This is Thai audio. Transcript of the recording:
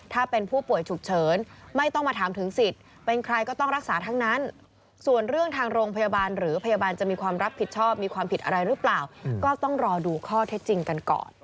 ถ้าเป็นผู้ป่วยฉุกเฉินไม่ต้องมาถามถึงสิทธิ์เป็นใครก็ต้องรักษาทั้งนั้นส่วนเรื่องทางโรงพยาบาลหรือพยาบาลจะมีความรับผิดชอบมีความผิดอะไรหรือเปล่าก็ต้องรอดูข้อเท็จจริงกันก่อน